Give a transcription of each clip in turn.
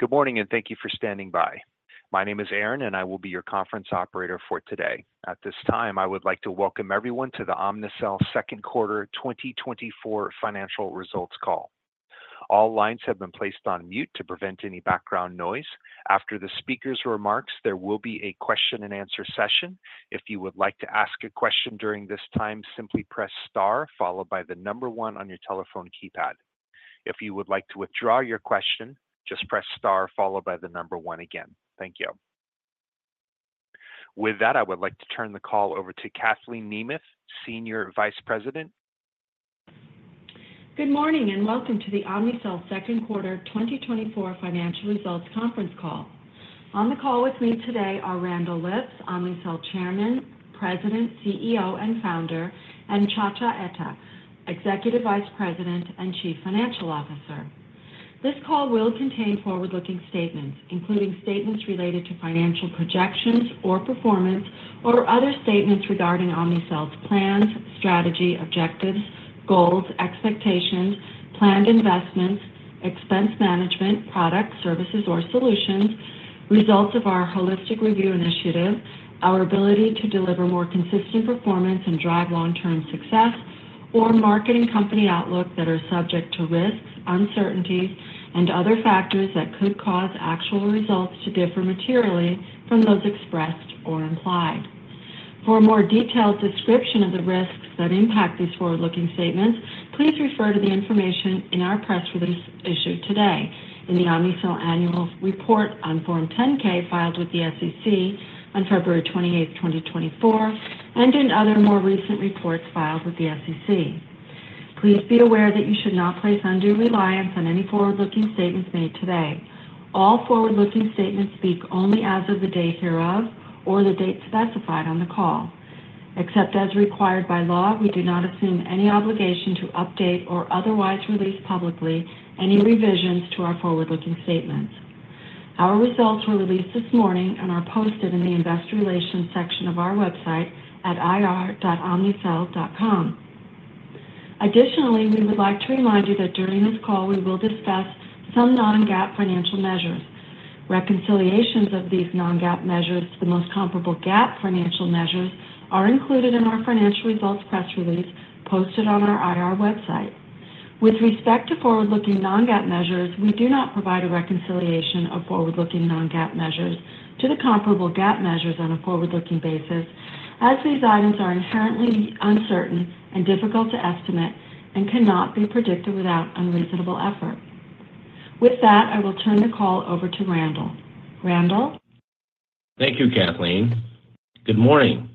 Good morning, and thank you for standing by. My name is Aaron, and I will be your conference operator for today. At this time, I would like to welcome everyone to the Omnicell Second Quarter 2024 Financial Results Call. All lines have been placed on mute to prevent any background noise. After the speaker's remarks, there will be a question-and-answer session. If you would like to ask a question during this time, simply press star followed by the number one on your telephone keypad. If you would like to withdraw your question, just press star followed by the number one again. Thank you. With that, I would like to turn the call over to Kathleen Nemeth, Senior Vice President. Good morning, and welcome to the Omnicell Second Quarter 2024 Financial Results Conference Call. On the call with me today are Randall Lipps, Omnicell Chairman, President, CEO, and Founder, and Nchacha Etta, Executive Vice President and Chief Financial Officer. This call will contain forward-looking statements, including statements related to financial projections or performance, or other statements regarding Omnicell's plans, strategy, objectives, goals, expectations, planned investments, expense management, products, services, or solutions, results of our holistic review initiative, our ability to deliver more consistent performance and drive long-term success, or marketing company outlook that are subject to risks, uncertainties, and other factors that could cause actual results to differ materially from those expressed or implied. For a more detailed description of the risks that impact these forward-looking statements, please refer to the information in our press release issued today in the Omnicell Annual Report on Form 10-K, filed with the SEC on February 28, 2024, and in other more recent reports filed with the SEC. Please be aware that you should not place undue reliance on any forward-looking statements made today. All forward-looking statements speak only as of the date hereof or the date specified on the call. Except as required by law, we do not assume any obligation to update or otherwise release publicly any revisions to our forward-looking statements. Our results were released this morning and are posted in the Investor Relations section of our website at ir.omnicell.com. Additionally, we would like to remind you that during this call, we will discuss some non-GAAP financial measures. Reconciliations of these non-GAAP measures to the most comparable GAAP financial measures are included in our financial results press release posted on our IR website. With respect to forward-looking non-GAAP measures, we do not provide a reconciliation of forward-looking non-GAAP measures to the comparable GAAP measures on a forward-looking basis, as these items are inherently uncertain and difficult to estimate and cannot be predicted without unreasonable effort. With that, I will turn the call over to Randall. Randall? Thank you, Kathleen. Good morning,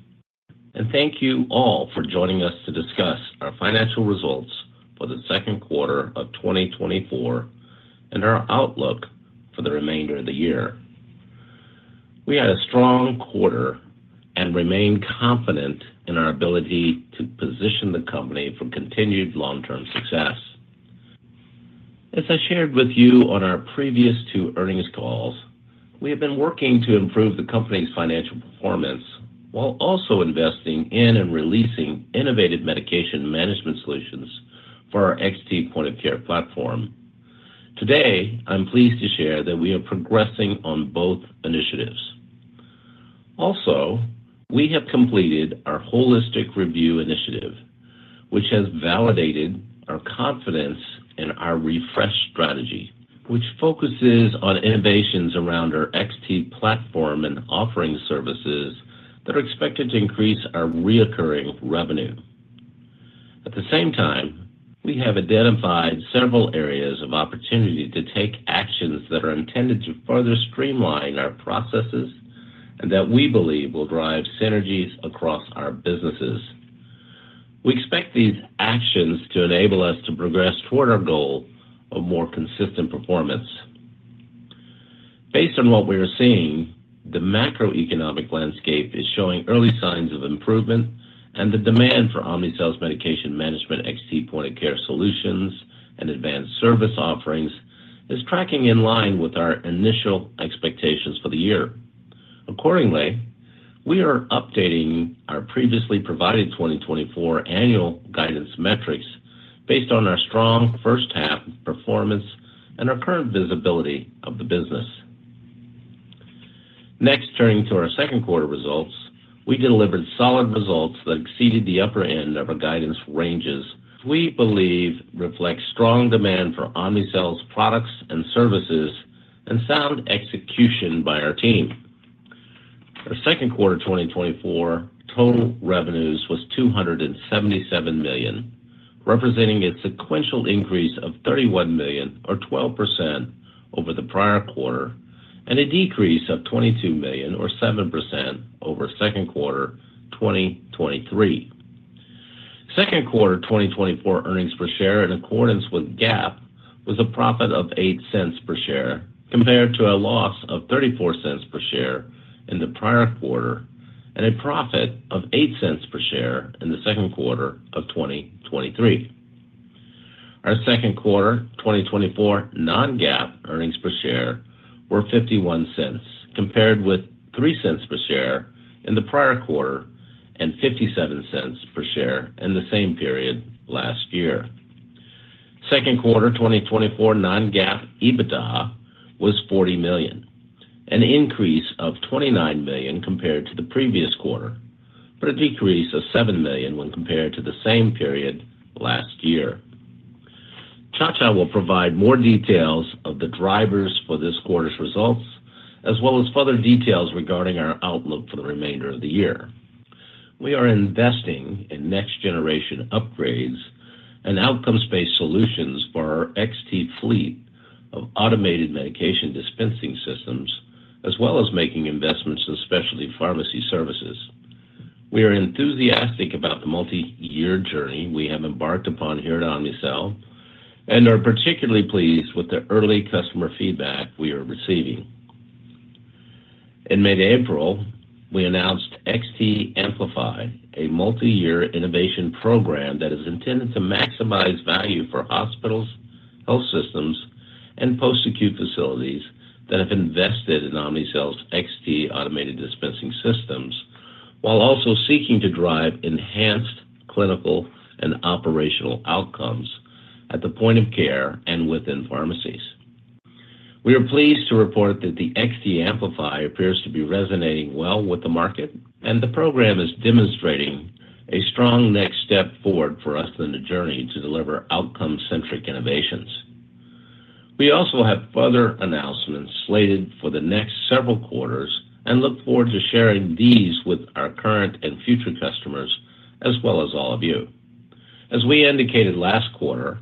and thank you all for joining us to discuss our financial results for the second quarter of 2024 and our outlook for the remainder of the year. We had a strong quarter and remain confident in our ability to position the company for continued long-term success. As I shared with you on our previous two earnings calls, we have been working to improve the company's financial performance while also investing in and releasing innovative medication management solutions for our XT Point-of-Care Platform. Today, I'm pleased to share that we are progressing on both initiatives. Also, we have completed our holistic review initiative, which has validated our confidence in our refreshed strategy, which focuses on innovations around our XT platform and offering services that are expected to increase our recurring revenue. At the same time, we have identified several areas of opportunity to take actions that are intended to further streamline our processes and that we believe will drive synergies across our businesses. We expect these actions to enable us to progress toward our goal of more consistent performance. Based on what we are seeing, the macroeconomic landscape is showing early signs of improvement, and the demand for Omnicell's Medication Management XT Point-of-Care solutions and advanced service offerings is tracking in line with our initial expectations for the year. Accordingly, we are updating our previously provided 2024 annual guidance metrics based on our strong first half performance and our current visibility of the business. Next, turning to our second quarter results, we delivered solid results that exceeded the upper end of our guidance ranges, we believe reflects strong demand for Omnicell's products and services and sound execution by our team. Our second quarter 2024 total revenues was $277 million, representing a sequential increase of $31 million or 12% over the prior quarter, and a decrease of $22 million or 7% over second quarter 2023. Second quarter 2024 earnings per share in accordance with GAAP, was a profit of $0.08 per share, compared to a loss of $0.34 per share in the prior quarter and a profit of $0.08 per share in the second quarter of 2023. Our second quarter 2024 non-GAAP earnings per share were $0.51, compared with $0.03 per share in the prior quarter,... and $0.57 per share in the same period last year. Second quarter, 2024 non-GAAP EBITDA was $40 million, an increase of $29 million compared to the previous quarter, but a decrease of $7 million when compared to the same period last year. Nchacha will provide more details of the drivers for this quarter's results, as well as further details regarding our outlook for the remainder of the year. We are investing in next generation upgrades and outcomes-based solutions for our XT fleet of automated medication dispensing systems, as well as making investments in Specialty Pharmacy Services. We are enthusiastic about the multi-year journey we have embarked upon here at Omnicell, and are particularly pleased with the early customer feedback we are receiving. In mid-April, we announced XT Amplify, a multi-year innovation program that is intended to maximize value for hospitals, health systems, and post-acute facilities that have invested in Omnicell's XT automated dispensing systems, while also seeking to drive enhanced clinical and operational outcomes at the Point-of-Care and within pharmacies. We are pleased to report that the XT Amplify appears to be resonating well with the market, and the program is demonstrating a strong next step forward for us in the journey to deliver outcome-centric innovations. We also have further announcements slated for the next several quarters and look forward to sharing these with our current and future customers, as well as all of you. As we indicated last quarter,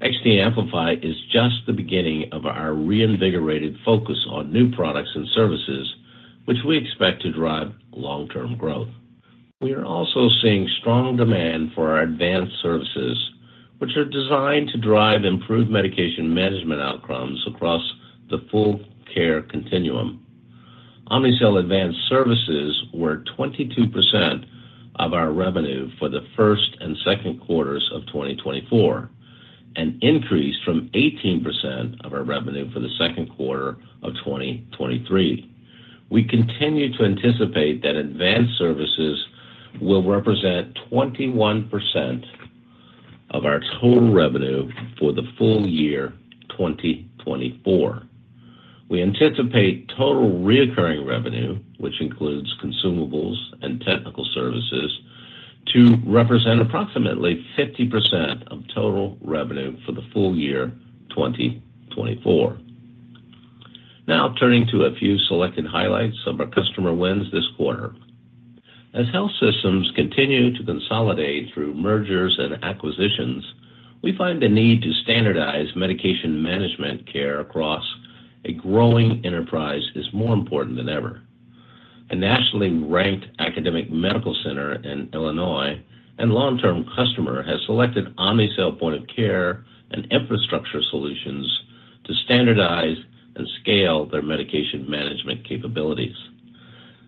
XT Amplify is just the beginning of our reinvigorated focus on new products and services, which we expect to drive long-term growth. We are also seeing strong demand for our Advanced Services, which are designed to drive improved medication management outcomes across the full care continuum. Omnicell Advanced Services were 22% of our revenue for the first and second quarters of 2024, an increase from 18% of our revenue for the second quarter of 2023. We continue to anticipate that Advanced Services will represent 21% of our total revenue for the full year 2024. We anticipate total recurring revenue, which includes consumables and Technical Services, to represent approximately 50% of total revenue for the full year 2024. Now, turning to a few selected highlights of our customer wins this quarter. As health systems continue to consolidate through mergers and acquisitions, we find the need to standardize medication management care across a growing enterprise is more important than ever. A nationally ranked academic medical center in Illinois and long-term customer has selected Omnicell Point-of-Care and infrastructure solutions to standardize and scale their medication management capabilities.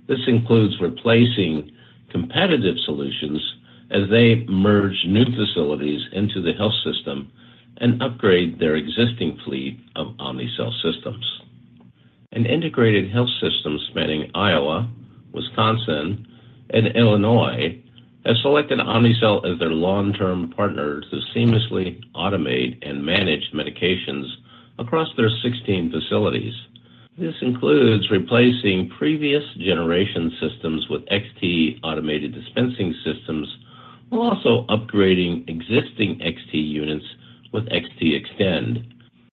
This includes replacing competitive solutions as they merge new facilities into the health system and upgrade their existing fleet of Omnicell systems. An integrated health system spanning Iowa, Wisconsin, and Illinois has selected Omnicell as their long-term partner to seamlessly automate and manage medications across their 16 facilities. This includes replacing previous generation systems with XT automated dispensing systems, while also upgrading existing XT units with XT Extend,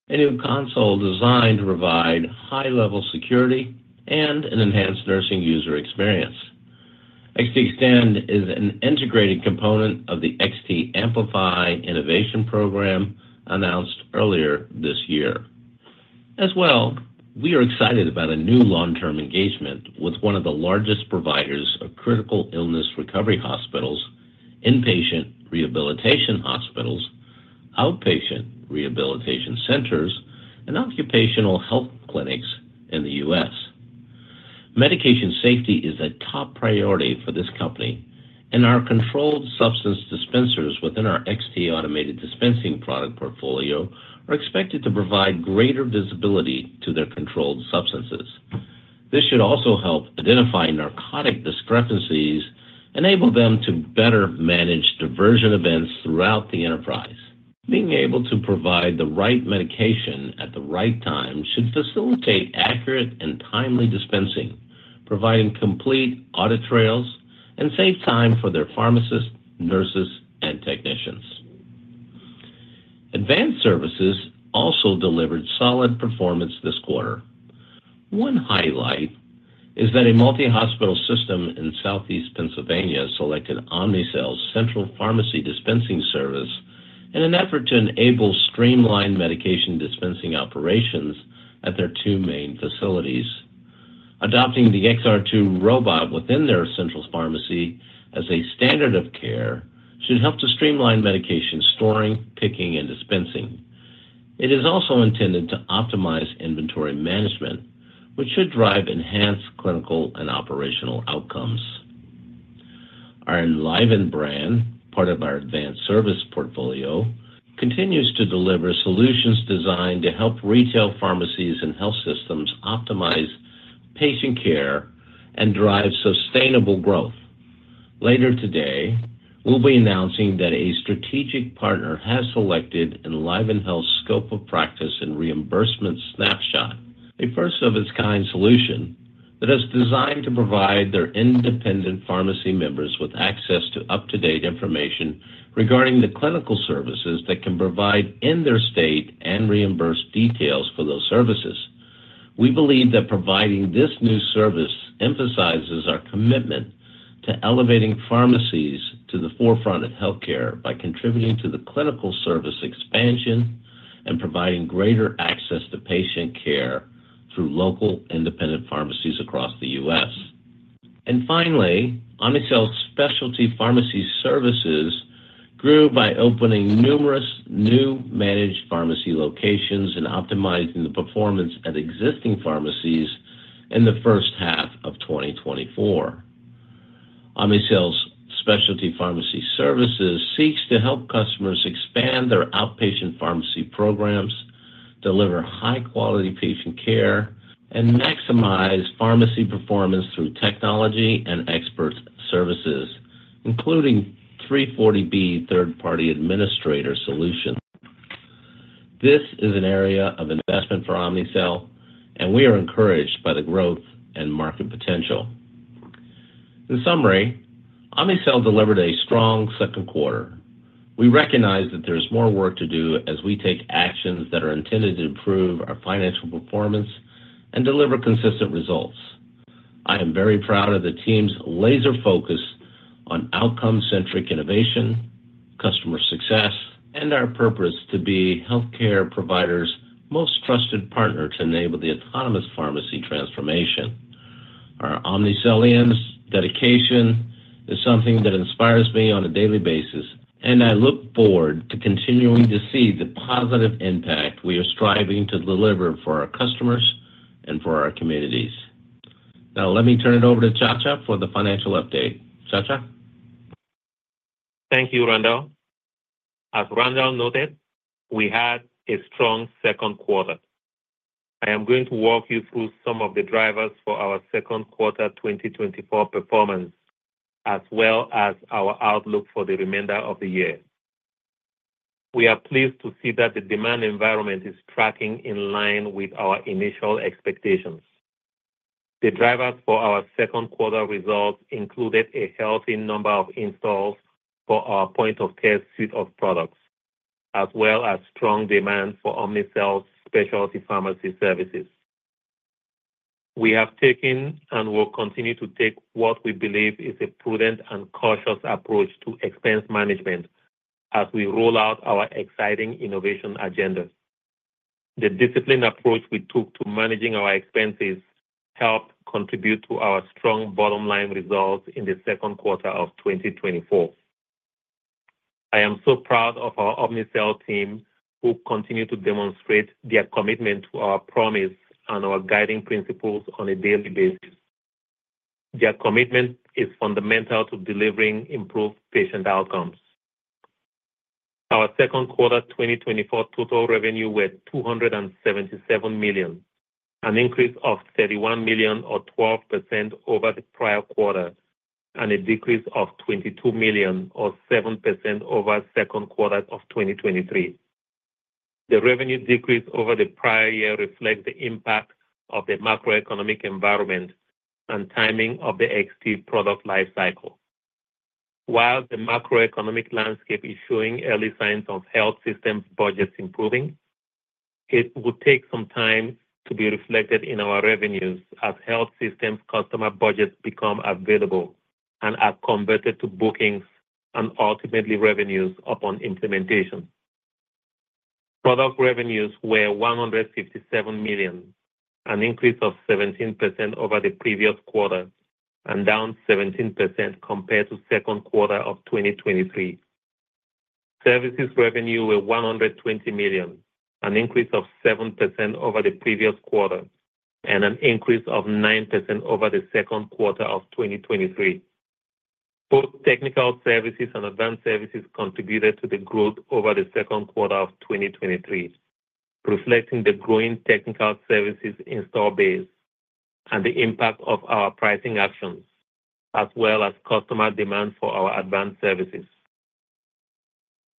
a new console designed to provide high-level security and an enhanced nursing user experience. XT Extend is an integrated component of the XT Amplify innovation program announced earlier this year. As well, we are excited about a new long-term engagement with one of the largest providers of critical illness recovery hospitals, inpatient rehabilitation hospitals, outpatient rehabilitation centers, and occupational health clinics in the U.S. Medication safety is a top priority for this company, and our controlled substance dispensers within our XT automated dispensing product portfolio are expected to provide greater visibility to their controlled substances. This should also help identify narcotic discrepancies, enable them to better manage diversion events throughout the enterprise. Being able to provide the right medication at the right time should facilitate accurate and timely dispensing, providing complete audit trails, and save time for their pharmacists, nurses, and technicians. Advanced Services also delivered solid performance this quarter. One highlight is that a multi-hospital system in Southeast Pennsylvania selected Omnicell's Central Pharmacy Dispensing Service in an effort to enable streamlined medication dispensing operations at their two main facilities. Adopting the XR2 robot within their central pharmacy as a standard of care, should help to streamline medication storing, picking, and dispensing. It is also intended to optimize inventory management, which should drive enhanced clinical and operational outcomes. Our EnlivenHealth brand, part of our advanced service portfolio,... continues to deliver solutions designed to help retail pharmacies and health systems optimize patient care and drive sustainable growth. Later today, we'll be announcing that a strategic partner has selected EnlivenHealth's Scope of Practice and Reimbursement Snapshot, a first of its kind solution that is designed to provide their independent pharmacy members with access to up-to-date information regarding the clinical services they can provide in their state, and reimbursement details for those services. We believe that providing this new service emphasizes our commitment to elevating pharmacies to the forefront of healthcare by contributing to the clinical service expansion and providing greater access to patient care through local independent pharmacies across the U.S. And finally, Omnicell's Specialty Pharmacy Services grew by opening numerous new managed pharmacy locations and optimizing the performance at existing pharmacies in the first half of 2024. Omnicell's Specialty Pharmacy Services seeks to help customers expand their outpatient pharmacy programs, deliver high quality patient care, and maximize pharmacy performance through technology and expert services, including 340B third party administrator solutions. This is an area of investment for Omnicell, and we are encouraged by the growth and market potential. In summary, Omnicell delivered a strong second quarter. We recognize that there's more work to do as we take actions that are intended to improve our financial performance and deliver consistent results. I am very proud of the team's laser focus on outcome-centric innovation, customer success, and our purpose to be healthcare providers' most trusted partner to enable the autonomous pharmacy transformation. Our Omnicellians' dedication is something that inspires me on a daily basis, and I look forward to continuing to see the positive impact we are striving to deliver for our customers and for our communities. Now, let me turn it over to Nchacha for the financial update. Nchacha? Thank you, Randall. As Randall noted, we had a strong second quarter. I am going to walk you through some of the drivers for our second quarter 2024 performance, as well as our outlook for the remainder of the year. We are pleased to see that the demand environment is tracking in line with our initial expectations. The drivers for our second quarter results included a healthy number of installs for our Point-of-Care suite of products, as well as strong demand for Omnicell's Specialty Pharmacy Services. We have taken and will continue to take what we believe is a prudent and cautious approach to expense management as we roll out our exciting innovation agendas. The disciplined approach we took to managing our expenses helped contribute to our strong bottom line results in the second quarter of 2024. I am so proud of our Omnicell team, who continue to demonstrate their commitment to our promise and our guiding principles on a daily basis. Their commitment is fundamental to delivering improved patient outcomes. Our second quarter 2024 total revenue was $277 million, an increase of $31 million or 12% over the prior quarter, and a decrease of $22 million or 7% over second quarter of 2023. The revenue decrease over the prior year reflects the impact of the macroeconomic environment and timing of the XT product life cycle. While the macroeconomic landscape is showing early signs of health systems budgets improving, it will take some time to be reflected in our revenues as health systems customer budgets become available and are converted to bookings and ultimately revenues upon implementation. Product revenues were $157 million, an increase of 17% over the previous quarter and down 17% compared to second quarter of 2023. Services revenue were $120 million, an increase of 7% over the previous quarter, and an increase of 9% over the second quarter of 2023. Both Technical Services and Advanced Services contributed to the growth over the second quarter of 2023, reflecting the growing Technical Services installed base and the impact of our pricing actions, as well as customer demand for our Advanced Services.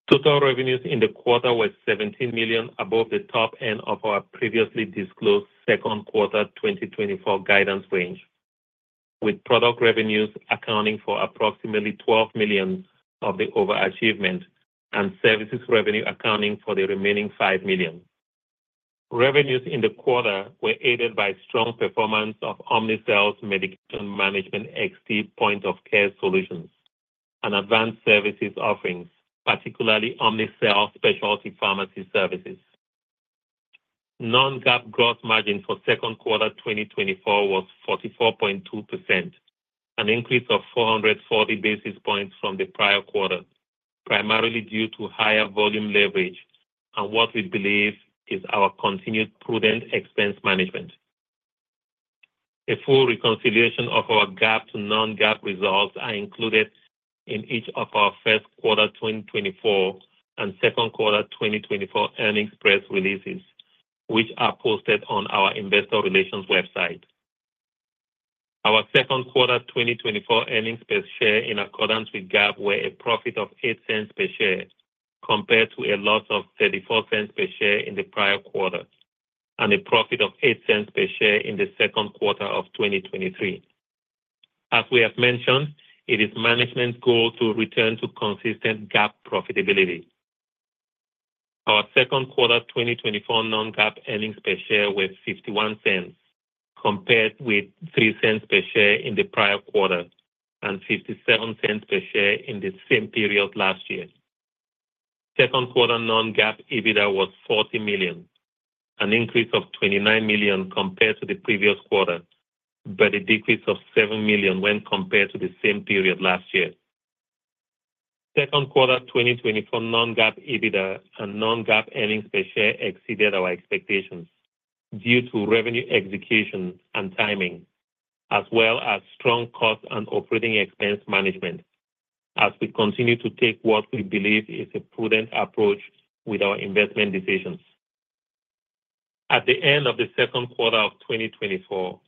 Total revenues in the quarter were $17 million above the top end of our previously disclosed second quarter 2024 guidance range, with product revenues accounting for approximately $12 million of the overachievement and services revenue accounting for the remaining $5 million. Revenues in the quarter were aided by strong performance of Omnicell's Medication Management XT Point-of-Care solutions and Advanced Services offerings, particularly Omnicell Specialty Pharmacy Services. Non-GAAP gross margin for second quarter 2024 was 44.2%, an increase of 440 basis points from the prior quarter, primarily due to higher volume leverage and what we believe is our continued prudent expense management. A full reconciliation of our GAAP to non-GAAP results are included in each of our first quarter 2024 and second quarter 2024 earnings press releases, which are posted on our investor relations website. Our second quarter 2024 earnings per share in accordance with GAAP were a profit of $0.08 per share, compared to a loss of $0.34 per share in the prior quarter, and a profit of $0.08 per share in the second quarter of 2023. As we have mentioned, it is management's goal to return to consistent GAAP profitability. Our second quarter 2024 non-GAAP earnings per share was $0.51, compared with $0.03 per share in the prior quarter and $0.57 per share in the same period last year. Second quarter non-GAAP EBITDA was $40 million, an increase of $29 million compared to the previous quarter, but a decrease of $7 million when compared to the same period last year. Second quarter 2024 non-GAAP EBITDA and non-GAAP earnings per share exceeded our expectations due to revenue execution and timing, as well as strong cost and operating expense management, as we continue to take what we believe is a prudent approach with our investment decisions. At the end of the second quarter of 2024,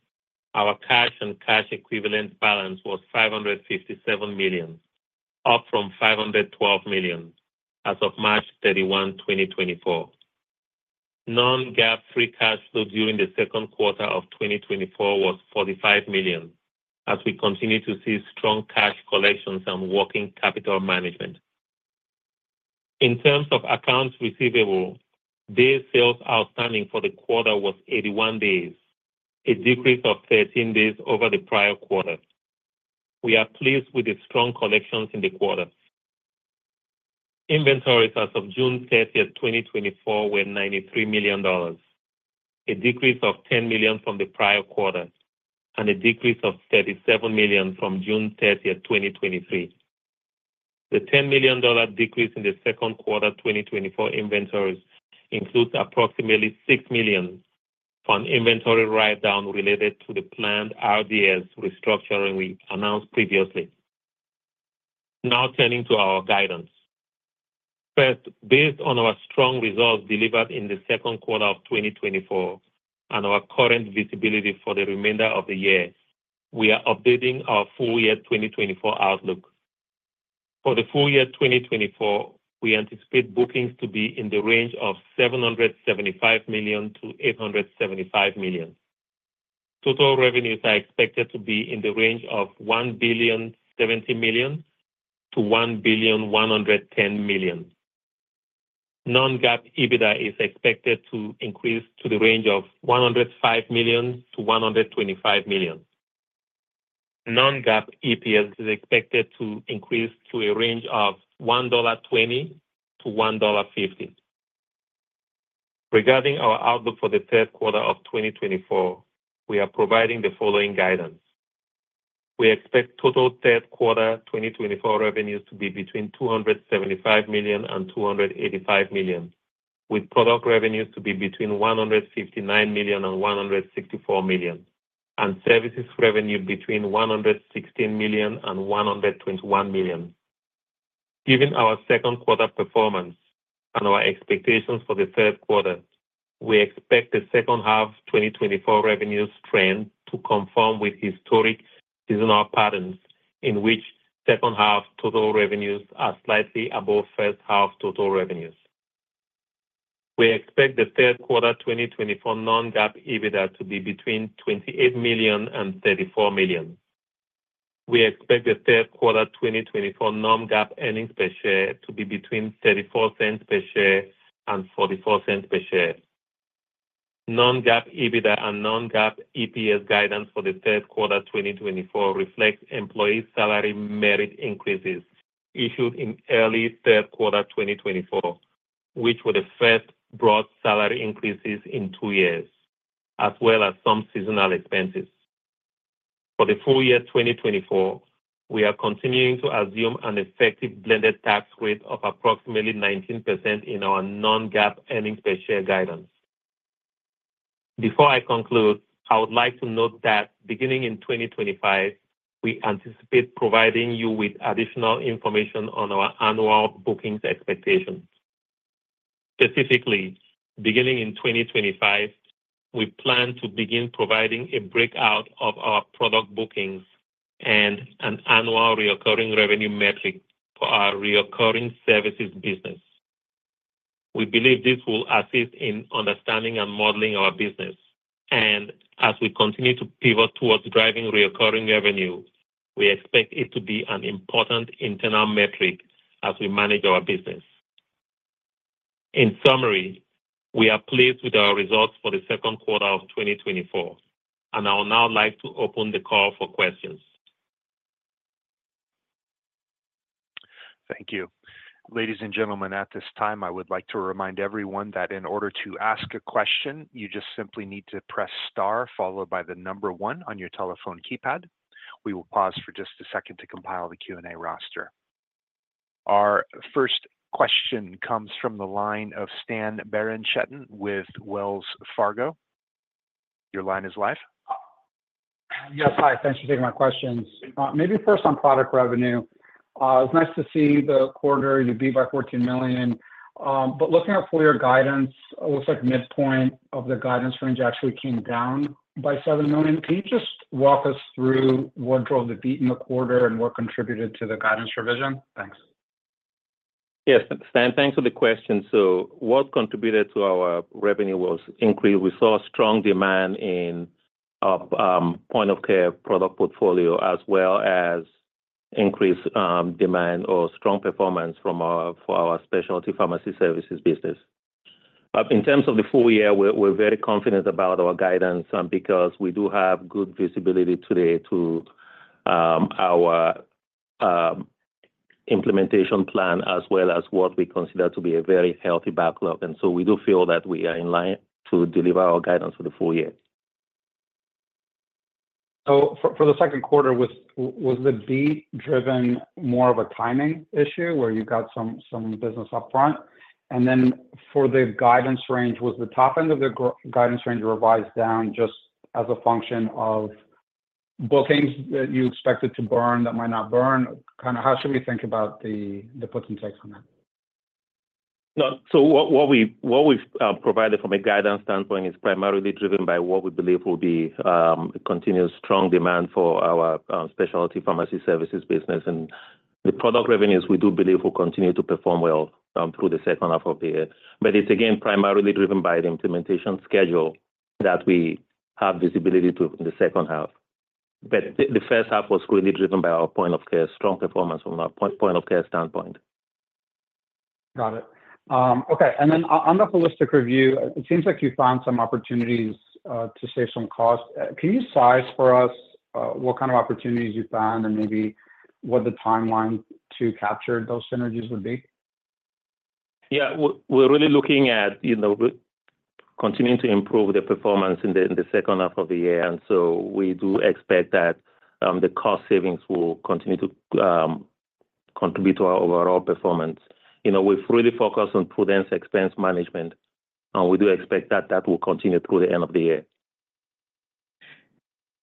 our cash and cash equivalent balance was $557 million, up from $512 million as of March 31, 2024. Non-GAAP free cash flow during the second quarter of 2024 was $45 million, as we continue to see strong cash collections and working capital management. In terms of accounts receivable, days sales outstanding for the quarter was 81 days, a decrease of 13 days over the prior quarter. We are pleased with the strong collections in the quarter. Inventories as of June 30, 2024, were $93 million, a decrease of $10 million from the prior quarter and a decrease of $37 million from June 30, 2023. The $10 million decrease in the second quarter 2024 inventories includes approximately $6 million from inventory write-down related to the planned RDS restructuring we announced previously. Now turning to our guidance. First, based on our strong results delivered in the second quarter of 2024 and our current visibility for the remainder of the year, we are updating our full year 2024 outlook. For the full year 2024, we anticipate bookings to be in the range of $775 million-$875 million. Total revenues are expected to be in the range of $1.07 billion-$1.11 billion. Non-GAAP EBITDA is expected to increase to the range of $105 million-$125 million. Non-GAAP EPS is expected to increase to a range of $1.20-$1.50. Regarding our outlook for the third quarter of 2024, we are providing the following guidance: We expect total third quarter 2024 revenues to be between $275 million and $285 million, with product revenues to be between $159 million and $164 million, and services revenue between $116 million and $121 million. Given our second quarter performance and our expectations for the third quarter, we expect the second half 2024 revenues trend to conform with historic seasonal patterns, in which second half total revenues are slightly above first half total revenues. We expect the third quarter 2024 non-GAAP EBITDA to be between $28 million and $34 million. We expect the third quarter 2024 non-GAAP earnings per share to be between $0.34 per share and $0.44 per share. Non-GAAP EBITDA and non-GAAP EPS guidance for the third quarter 2024 reflects employee salary merit increases issued in early third quarter 2024, which were the first broad salary increases in two years, as well as some seasonal expenses. For the full year 2024, we are continuing to assume an effective blended tax rate of approximately 19% in our non-GAAP earnings per share guidance. Before I conclude, I would like to note that beginning in 2025, we anticipate providing you with additional information on our annual bookings expectations. Specifically, beginning in 2025, we plan to begin providing a breakout of our product bookings and an annual recurring revenue metric for our recurring services business. We believe this will assist in understanding and modeling our business, and as we continue to pivot towards driving recurring revenue, we expect it to be an important internal metric as we manage our business. In summary, we are pleased with our results for the second quarter of 2024, and I would now like to open the call for questions. Thank you. Ladies and gentlemen, at this time, I would like to remind everyone that in order to ask a question, you just simply need to press star followed by 1 on your telephone keypad. We will pause for just a second to compile the Q&A roster.... Our first question comes from the line of Stan Berenshteyn with Wells Fargo & Company. Your line is live. Yes. Hi, thanks for taking my questions. Maybe first on product revenue. It's nice to see the quarter, you beat by $14 million. But looking at full year guidance, it looks like midpoint of the guidance range actually came down by $7 million. Can you just walk us through what drove the beat in the quarter and what contributed to the guidance revision? Thanks. Yes, Stan, thanks for the question. So what contributed to our revenue was increase. We saw a strong demand in our point of care product portfolio, as well as increased demand or strong performance from our for our Specialty Pharmacy services business. In terms of the full year, we're very confident about our guidance, because we do have good visibility today to our implementation plan, as well as what we consider to be a very healthy backlog. And so we do feel that we are in line to deliver our guidance for the full year. So for the second quarter, was the beat driven more of a timing issue, where you got some business upfront? And then for the guidance range, was the top end of the guidance range revised down just as a function of both things that you expected to burn that might not burn? Kinda, how should we think about the puts and takes on that? No, so what we've provided from a guidance standpoint is primarily driven by what we believe will be a continuous strong demand for our Specialty Pharmacy Services business. And the product revenues, we do believe, will continue to perform well through the second half of the year. But it's again, primarily driven by the implementation schedule that we have visibility to in the second half. But the first half was clearly driven by our point of care, strong performance from a point of care standpoint. Got it. Okay, and then on the holistic review, it seems like you found some opportunities to save some costs. Can you size for us what kind of opportunities you found, and maybe what the timeline to capture those synergies would be? Yeah, we're, we're really looking at, you know, continuing to improve the performance in the, in the second half of the year, and so we do expect that, the cost savings will continue to, contribute to our overall performance. You know, we've really focused on prudent expense management, and we do expect that that will continue through the end of the year.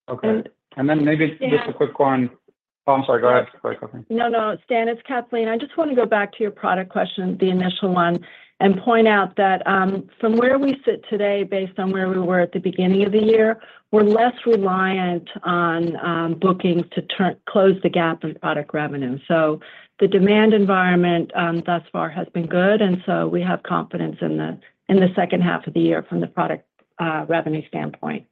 Okay. And- And then maybe just a quick one- Stan- Oh, I'm sorry, go ahead. Sorry, Kathleen. No, no, Stan, it's Kathleen. I just want to go back to your product question, the initial one, and point out that, from where we sit today, based on where we were at the beginning of the year, we're less reliant on bookings to close the gap in product revenue. So the demand environment, thus far, has been good, and so we have confidence in the second half of the year from the product revenue standpoint.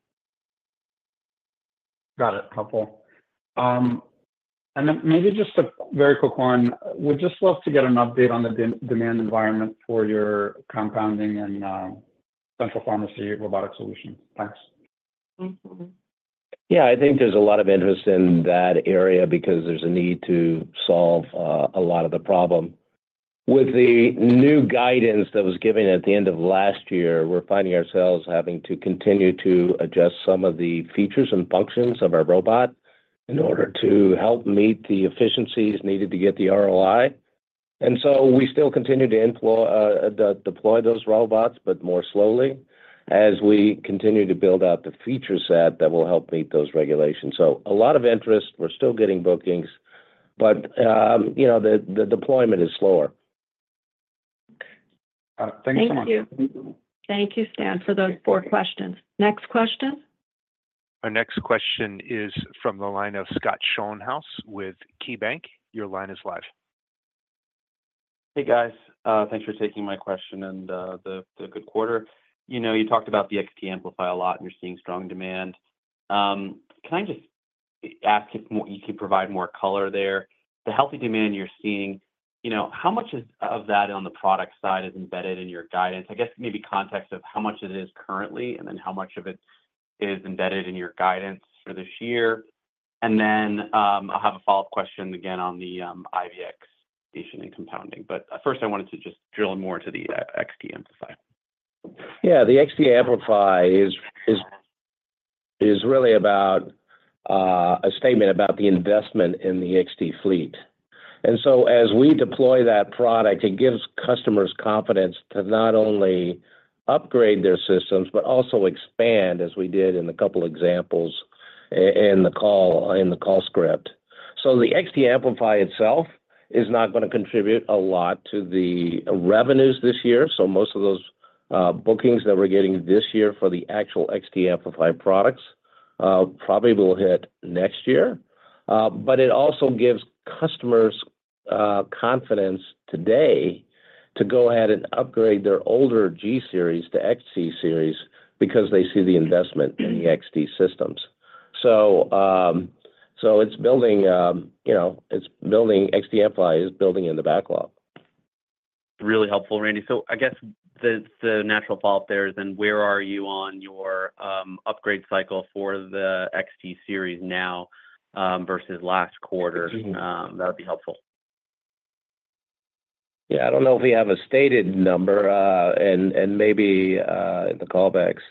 Got it. Helpful. And then maybe just a very quick one. Would just love to get an update on the demand environment for your compounding and central pharmacy robotic solution. Thanks. Mm-hmm. Yeah, I think there's a lot of interest in that area because there's a need to solve a lot of the problem. With the new guidance that was given at the end of last year, we're finding ourselves having to continue to adjust some of the features and functions of our robot in order to help meet the efficiencies needed to get the ROI. And so we still continue to deploy those robots, but more slowly, as we continue to build out the feature set that will help meet those regulations. So a lot of interest, we're still getting bookings, but you know, the deployment is slower. Thank you so much. Thank you. Thank you, Stan, for those four questions. Next question? Our next question is from the line of Scott Schoenhaus with KeyBanc Capital Markets. Your line is live. Hey, guys. Thanks for taking my question and the good quarter. You know, you talked about the XT Amplify a lot, and you're seeing strong demand. Can I just ask if you can provide more color there? The healthy demand you're seeing, you know, how much of that on the product side is embedded in your guidance? I guess maybe context of how much it is currently, and then how much of it is embedded in your guidance for this year. And then, I'll have a follow-up question again on the IVX Station and compounding. But first, I wanted to just drill in more to the XT Amplify. Yeah, the XT Amplify is really about a statement about the investment in the XT fleet. And so as we deploy that product, it gives customers confidence to not only upgrade their systems, but also expand, as we did in a couple examples in the call, in the call script. So the XT Amplify itself is not going to contribute a lot to the revenues this year. So most of those bookings that we're getting this year for the actual XT Amplify products probably will hit next year. But it also gives customers confidence today to go ahead and upgrade their older G-Series to XT Series because they see the investment in the XT systems. So it's building, you know, it's building. XT Amplify is building in the backlog. Really helpful, Randy. So I guess the natural follow-up there is then, where are you on your upgrade cycle for the XT Series now, versus last quarter? That would be helpful. ... Yeah, I don't know if we have a stated number, and maybe in the callbacks,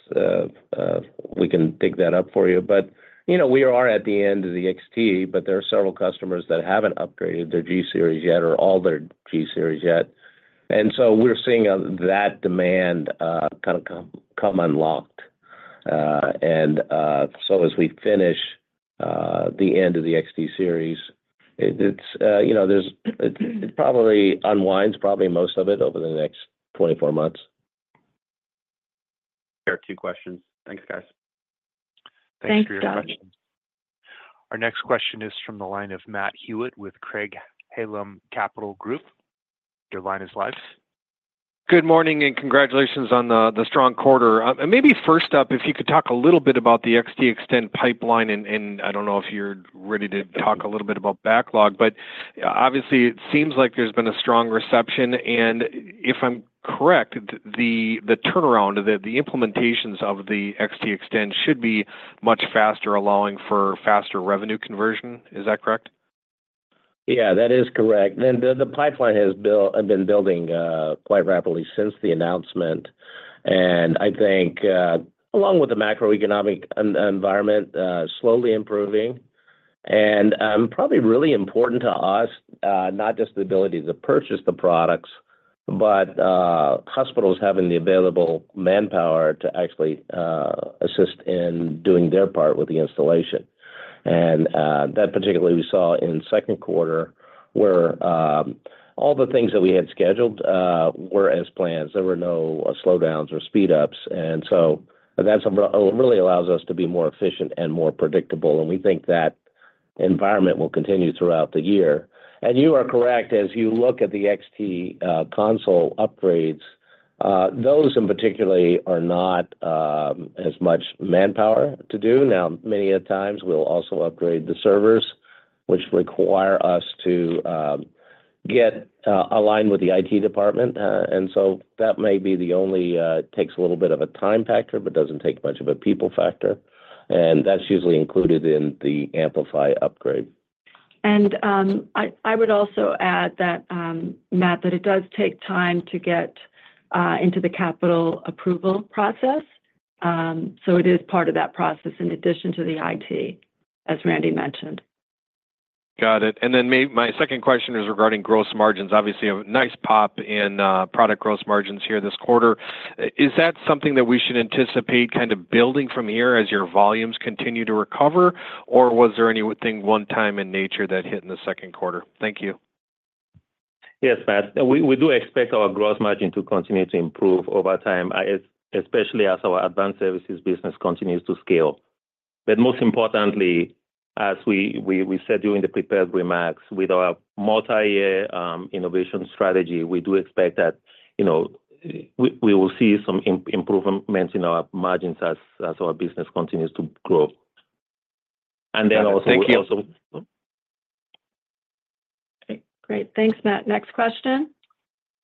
we can dig that up for you. But you know, we are at the end of the XT, but there are several customers that haven't upgraded their G-Series yet, or all their G-Series yet. And so we're seeing that demand kind of come unlocked. And so as we finish the end of the XT Series, it's you know, it probably unwinds most of it over the next 24 months. There are two questions. Thanks, guys. Thanks Scott. Thanks for your question. Our next question is from the line of Matt Hewitt with Craig-Hallum Capital Group. Your line is live. Good morning, and congratulations on the strong quarter. And maybe first up, if you could talk a little bit about the XT Extend pipeline, and I don't know if you're ready to talk a little bit about backlog, but obviously, it seems like there's been a strong reception. And if I'm correct, the turnaround, the implementations of the XT Extend should be much faster, allowing for faster revenue conversion. Is that correct? Yeah, that is correct. And the pipeline has been building quite rapidly since the announcement. And I think, along with the macroeconomic environment slowly improving, and probably really important to us, not just the ability to purchase the products, but hospitals having the available manpower to actually assist in doing their part with the installation. And that particularly we saw in the second quarter, where all the things that we had scheduled were as planned. There were no slowdowns or speed ups, and so that's really allows us to be more efficient and more predictable, and we think that environment will continue throughout the year. And you are correct, as you look at the XT console upgrades, those in particularly are not as much manpower to do. Now, many a times, we'll also upgrade the servers, which require us to get aligned with the IT department, and so that may be the only takes a little bit of a time factor, but doesn't take much of a people factor, and that's usually included in the Amplify upgrade. I would also add that, Matt, that it does take time to get into the capital approval process. So it is part of that process in addition to the IT, as Randy mentioned. Got it. And then my second question is regarding gross margins. Obviously, a nice pop in product gross margins here this quarter. Is that something that we should anticipate kind of building from here as your volumes continue to recover? Or was there anything one-time in nature that hit in the second quarter? Thank you. Yes, Matt. We do expect our gross margin to continue to improve over time, especially as our Advanced Services business continues to scale. But most importantly, as we said during the prepared remarks, with our multi-year innovation strategy, we do expect that, you know, we will see some improvements in our margins as our business continues to grow. And then also- Thank you. Great. Thanks, Matt. Next question.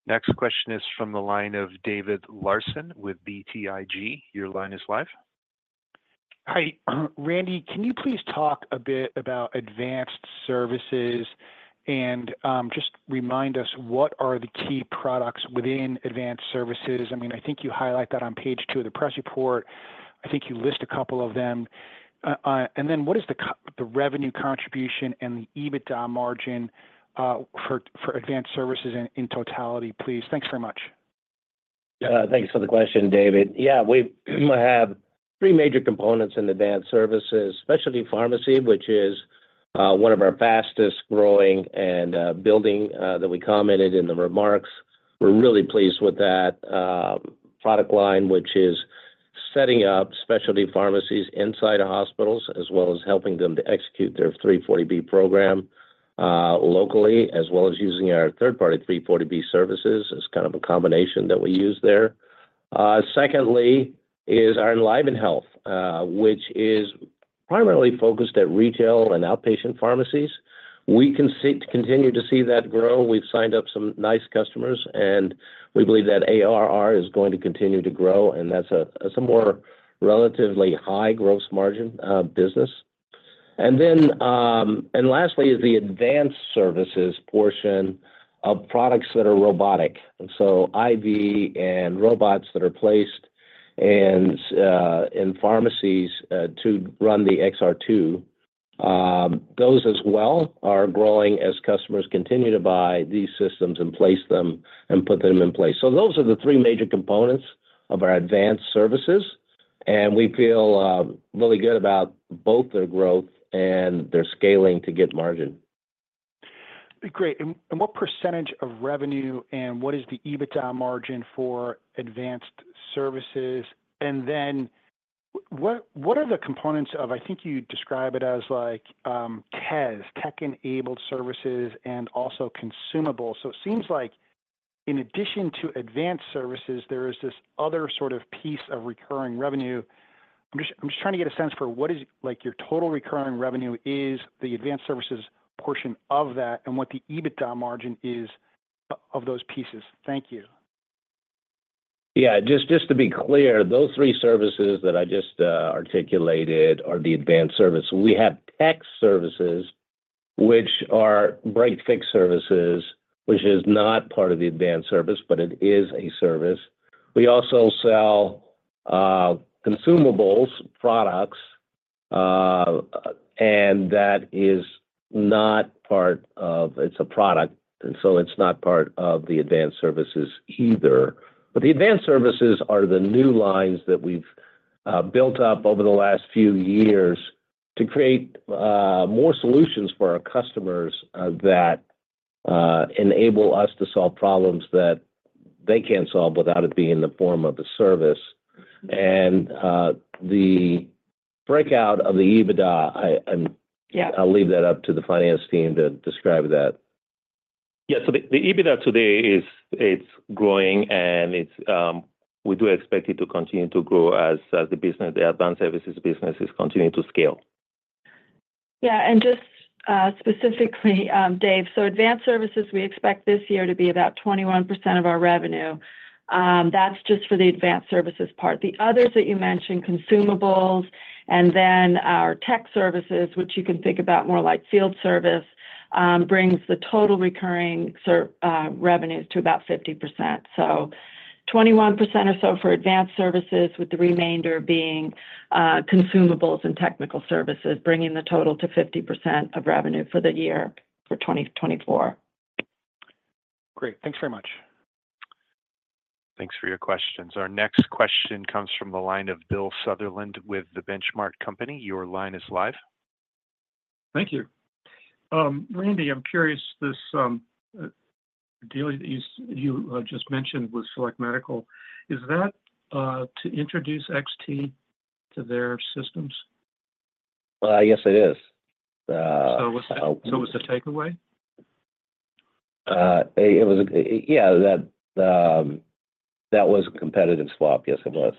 Next question is from the line of David Larsen with BTIG. Your line is live. Hi. Randy, can you please talk a bit about Advanced Services? And just remind us, what are the key products within Advanced Services? I mean, I think you highlight that on page two of the press report. I think you list a couple of them. And then what is the revenue contribution and the EBITDA margin for Advanced Services in totality, please? Thanks very much. Thanks for the question, David. Yeah, we have three major components in Advanced Services: specialty pharmacy, which is one of our fastest growing and building that we commented in the remarks. We're really pleased with that product line, which is setting up specialty pharmacies inside of hospitals, as well as helping them to execute their 340B program locally, as well as using our third-party 340B services as kind of a combination that we use there. Secondly is our EnlivenHealth, which is primarily focused at retail and outpatient pharmacies. We continue to see that grow. We've signed up some nice customers, and we believe that ARR is going to continue to grow, and that's a more relatively high gross margin business. And then... Lastly is the Advanced Services portion of products that are robotic. So IV and robots that are placed and in pharmacies to run the XR2, those as well are growing as customers continue to buy these systems and place them and put them in place. So those are the three major components of our Advanced Services, and we feel really good about both their growth and their scaling to get margin. Great. And what percentage of revenue, and what is the EBITDA margin for Advanced Services? And then what, what are the components of, I think you describe it as like, TES, Tech-Enabled Services and also consumables. So it seems like in addition to Advanced Services, there is this other sort of piece of recurring revenue. I'm just trying to get a sense for what is, like, your total recurring revenue is, the Advanced Services portion of that, and what the EBITDA margin is of those pieces. Thank you.... Yeah, just, just to be clear, those three services that I just articulated are the advanced service. We have tech services, which are break-fix services, which is not part of the advanced service, but it is a service. We also sell consumables products, and that is not part, it's a product, and so it's not part of the Advanced Services either. But the Advanced Services are the new lines that we've built up over the last few years to create more solutions for our customers that enable us to solve problems that they can't solve without it being in the form of a service. And the breakout of the EBITDA, I'm- Yeah. I'll leave that up to the finance team to describe that. Yeah. So the EBITDA today is, it's growing and it's, we do expect it to continue to grow as the business, the Advanced Services business is continuing to scale. Yeah, and just, specifically, Dave, so Advanced Services, we expect this year to be about 21% of our revenue. That's just for the Advanced Services part. The others that you mentioned, Consumables, and then our tech services, which you can think about more like field service, brings the total recurring revenues to about 50%. So 21% or so for Advanced Services, with the remainder being, Consumables and Technical Services, bringing the total to 50% of revenue for the year, for 2024. Great. Thanks very much. Thanks for your questions. Our next question comes from the line of Bill Sutherland with the Benchmark Company. Your line is live. Thank you. Randy, I'm curious, this deal that you just mentioned with Select Medical, is that to introduce XT to their systems? Well, I guess it is. So was that the takeaway? Yeah, that was a competitive swap. Yes, it was.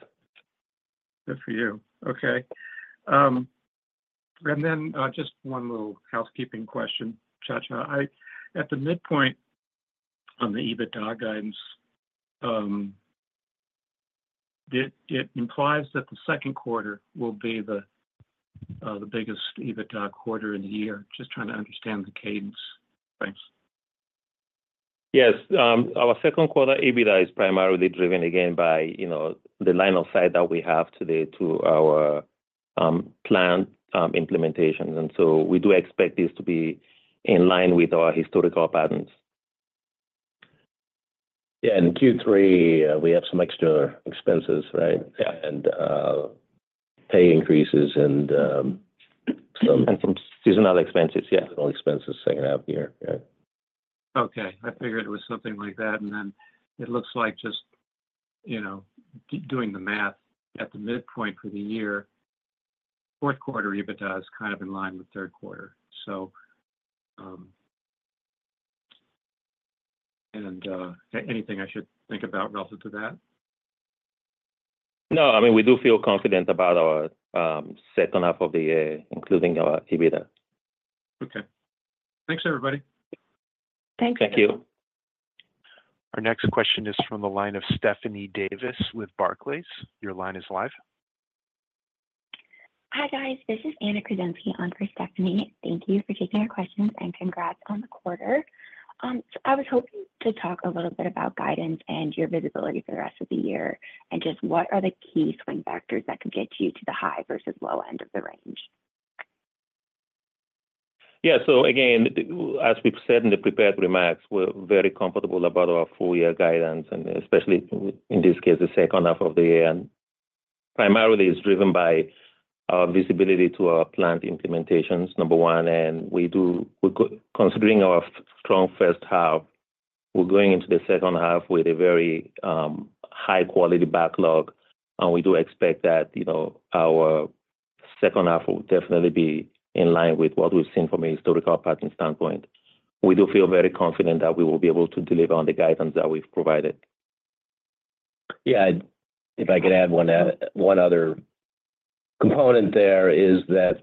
Good for you. Okay. And then, just one little housekeeping question, Nchacha. At the midpoint on the EBITDA guidance, it implies that the second quarter will be the biggest EBITDA quarter in the year. Just trying to understand the cadence. Thanks. Yes. Our second quarter EBITDA is primarily driven again by, you know, the line of sight that we have today to our planned implementations. And so we do expect this to be in line with our historical patterns. Yeah, in Q3, we have some extra expenses, right? Yeah. And pay increases and some- Some seasonal expenses, yeah. Seasonal expenses playing out here. Yeah. Okay. I figured it was something like that. And then it looks like just, you know, keep doing the math at the midpoint for the year, fourth quarter EBITDA is kind of in line with third quarter. So, anything I should think about relative to that? No. I mean, we do feel confident about our second half of the year, including our EBITDA. Okay. Thanks, everybody. Thanks. Thank you. Our next question is from the line of Stephanie Davis with Barclays. Your line is live. Hi, guys. This is Anna Kruszewski on for Stephanie. Thank you for taking our questions, and congrats on the quarter. So, I was hoping to talk a little bit about guidance and your visibility for the rest of the year, and just what are the key swing factors that could get you to the high versus low end of the range? Yeah. So again, as we've said in the prepared remarks, we're very comfortable about our full year guidance, and especially in this case, the second half of the year. Primarily, it's driven by our visibility to our planned implementations, number one, and, considering our strong first half, we're going into the second half with a very high quality backlog, and we do expect that, you know, our second half will definitely be in line with what we've seen from a historical pattern standpoint. We do feel very confident that we will be able to deliver on the guidance that we've provided. Yeah. If I could add one other component there, is that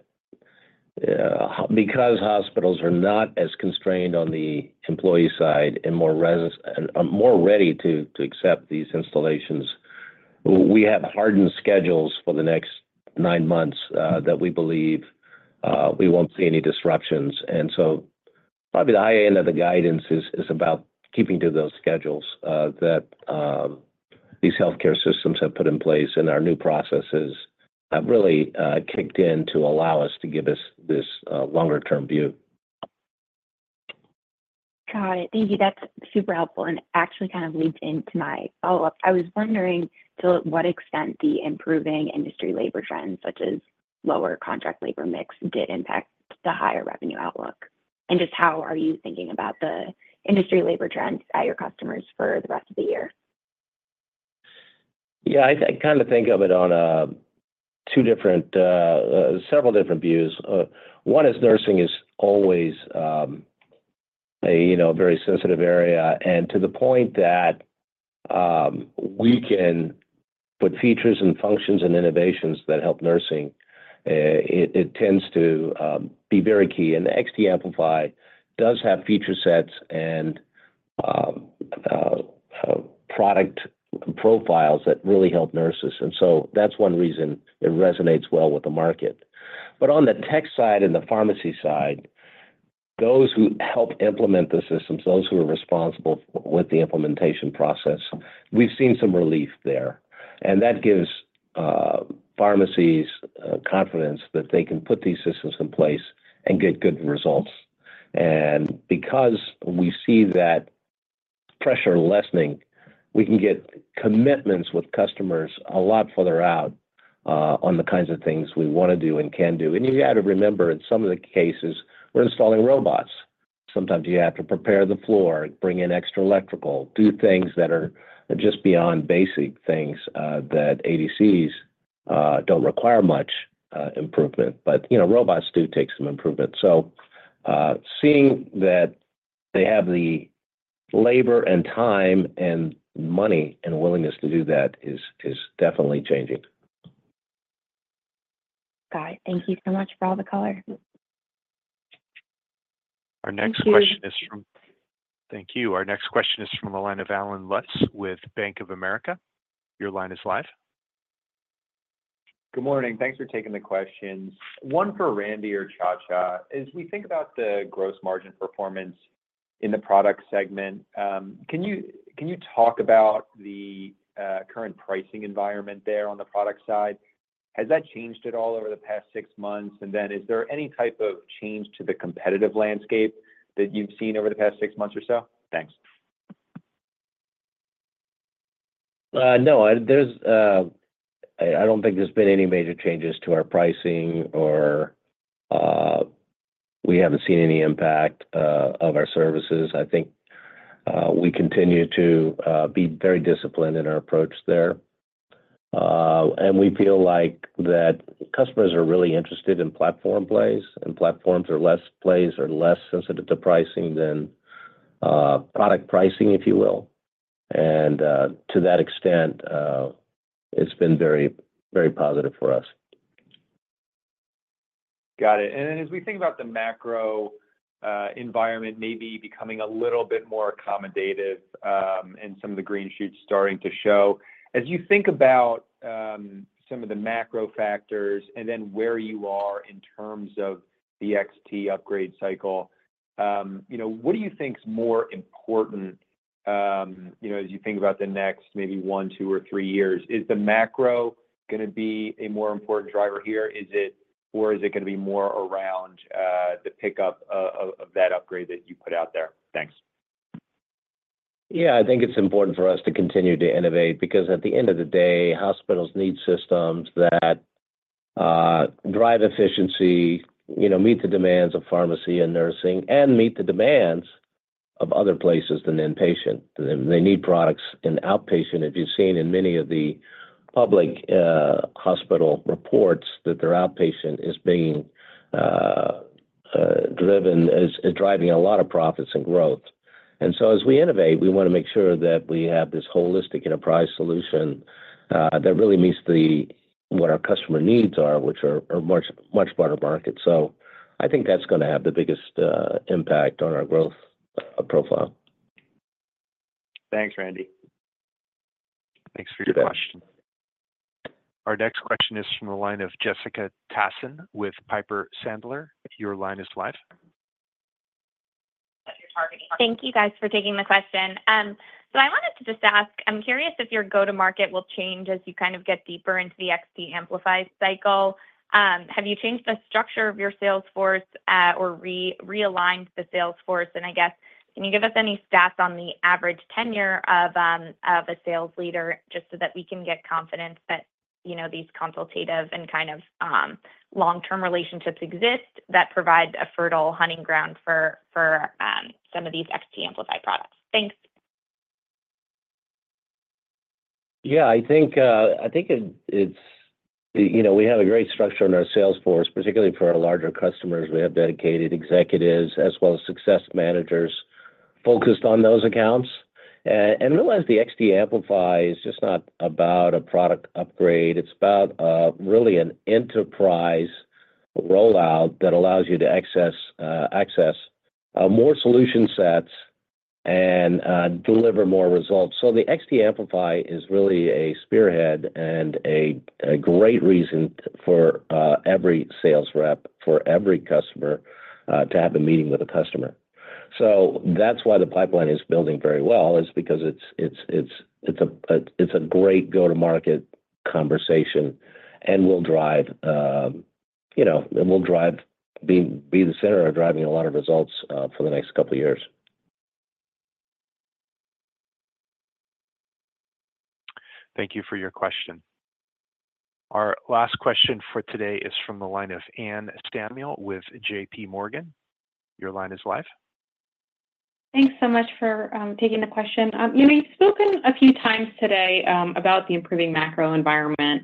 because hospitals are not as constrained on the employee side and more resourced and are more ready to accept these installations, we have hardened schedules for the next nine months that we believe we won't see any disruptions. And so probably the high end of the guidance is about keeping to those schedules that these healthcare systems have put in place, and our new processes have really kicked in to allow us to give us this longer term view. Got it. Thank you. That's super helpful and actually kind of leads into my follow-up. I was wondering to what extent the improving industry labor trends, such as lower contract labor mix, did impact the higher revenue outlook, and just how are you thinking about the industry labor trends at your customers for the rest of the year? Yeah, I kind of think of it on two different, several different views. One is nursing is always, you know, a very sensitive area, and to the point that But features and functions and innovations that help nursing, it tends to be very key. And the XT Amplify does have feature sets and product profiles that really help nurses, and so that's one reason it resonates well with the market. But on the tech side and the pharmacy side, those who help implement the systems, those who are responsible with the implementation process, we've seen some relief there, and that gives pharmacies confidence that they can put these systems in place and get good results. Because we see that pressure lessening, we can get commitments with customers a lot further out on the kinds of things we want to do and can do. And you gotta remember, in some of the cases, we're installing robots. Sometimes you have to prepare the floor, bring in extra electrical, do things that are just beyond basic things that ADCs don't require much improvement, but, you know, robots do take some improvement. So, seeing that they have the labor and time and money and willingness to do that is definitely changing. Got it. Thank you so much for all the color. Our next question- Thank you. Thank you. Our next question is from the line of Allen Lutz with Bank of America. Your line is live. Good morning. Thanks for taking the questions. One for Randy or Chacha. As we think about the gross margin performance in the product segment, can you talk about the current pricing environment there on the product side? Has that changed at all over the past six months? And then is there any type of change to the competitive landscape that you've seen over the past six months or so? Thanks. No, there's... I don't think there's been any major changes to our pricing or, we haven't seen any impact of our services. I think, we continue to, be very disciplined in our approach there. And we feel like that customers are really interested in platform plays, and platforms are less plays are less sensitive to pricing than, product pricing, if you will. And, to that extent, it's been very, very positive for us. Got it. Then as we think about the macro environment maybe becoming a little bit more accommodative, and some of the green shoots starting to show, as you think about some of the macro factors and then where you are in terms of the XT upgrade cycle, you know, what do you think is more important, you know, as you think about the next maybe one, two, or three years? Is the macro going to be a more important driver here, is it, or is it going to be more around the pickup of that upgrade that you put out there? Thanks. Yeah, I think it's important for us to continue to innovate, because at the end of the day, hospitals need systems that drive efficiency, you know, meet the demands of pharmacy and nursing, and meet the demands of other places than inpatient. They need products in outpatient. If you've seen in many of the public hospital reports, that their outpatient is driving a lot of profits and growth. And so as we innovate, we want to make sure that we have this holistic enterprise solution that really meets the what our customer needs are, which are much broader market. So I think that's going to have the biggest impact on our growth profile. Thanks, Randy. Thanks for your question. Our next question is from the line of Jessica Tassan with Piper Sandler. Your line is live. Thank you guys for taking the question. So I wanted to just ask, I'm curious if your go-to-market will change as you kind of get deeper into the XT Amplify cycle. Have you changed the structure of your sales force, or realigned the sales force? And I guess, can you give us any stats on the average tenure of a sales leader, just so that we can get confidence that, you know, these consultative and kind of long-term relationships exist that provide a fertile hunting ground for some of these XT Amplify products? Thanks. Yeah, I think it's, you know, we have a great structure in our sales force, particularly for our larger customers. We have dedicated executives as well as success managers focused on those accounts. And realize the XT Amplify is just not about a product upgrade, it's about really an enterprise rollout that allows you to access more solution sets and deliver more results. So the XT Amplify is really a spearhead and a great reason for every sales rep, for every customer, to have a meeting with a customer. So that's why the pipeline is building very well, because it's a great go-to-market conversation and will drive, you know, and will be the center of driving a lot of results for the next couple of years. Thank you for your question. Our last question for today is from the line of Anne Samuel with J.P. Morgan. Your line is live. Thanks so much for taking the question. You know, you've spoken a few times today about the improving macro environment.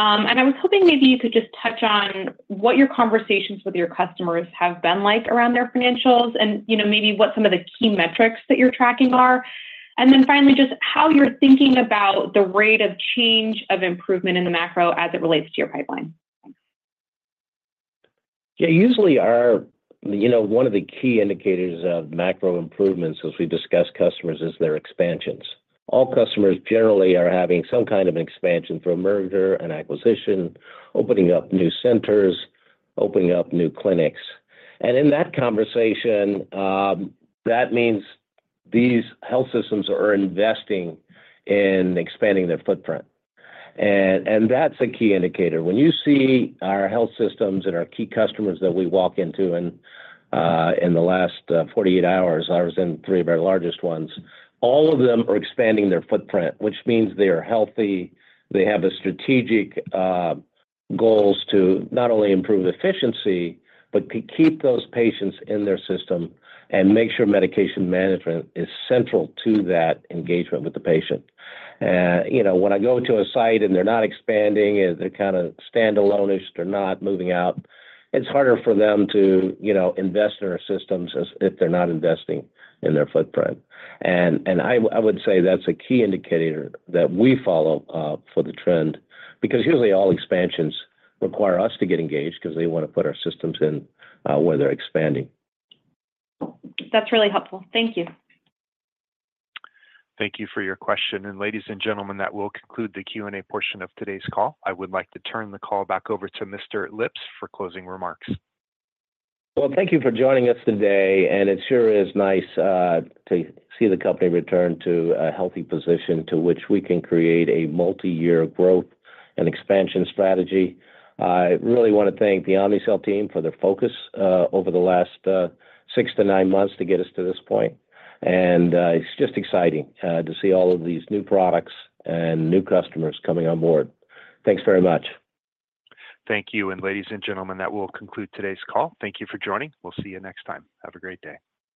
And I was hoping maybe you could just touch on what your conversations with your customers have been like around their financials and, you know, maybe what some of the key metrics that you're tracking are. And then finally, just how you're thinking about the rate of change of improvement in the macro as it relates to your pipeline? Yeah, usually our, you know, one of the key indicators of macro improvements as we discuss customers is their expansions. All customers generally are having some kind of an expansion through a merger, an acquisition, opening up new centers, opening up new clinics. And in that conversation, that means these health systems are investing in expanding their footprint. And that's a key indicator. When you see our health systems and our key customers that we walk into, and, in the last 48 hours, I was in three of our largest ones, all of them are expanding their footprint, which means they are healthy. They have a strategic goals to not only improve efficiency, but keep those patients in their system and make sure medication management is central to that engagement with the patient. You know, when I go to a site and they're not expanding, and they're kind of standalone-ish, they're not moving out, it's harder for them to, you know, invest in our systems as if they're not investing in their footprint. And, and I, I would say that's a key indicator that we follow, for the trend, because usually all expansions require us to get engaged because they want to put our systems in, where they're expanding. That's really helpful. Thank you. Thank you for your question. Ladies and gentlemen, that will conclude the Q&A portion of today's call. I would like to turn the call back over to Mr. Lipps for closing remarks. Well, thank you for joining us today, and it sure is nice to see the company return to a healthy position to which we can create a multi-year growth and expansion strategy. I really want to thank the Omnicell team for their focus over the last 6 to 9 months to get us to this point. It's just exciting to see all of these new products and new customers coming on board. Thanks very much. Thank you. And ladies and gentlemen, that will conclude today's call. Thank you for joining. We'll see you next time. Have a great day.